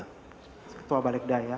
kepala balegda ya